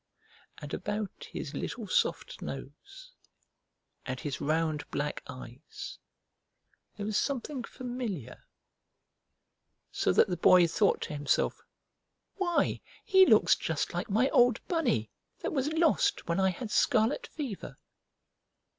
And about his little soft nose and his round black eyes there was something familiar, so that the Boy thought to himself: "Why, he looks just like my old Bunny that was lost when I had scarlet fever!"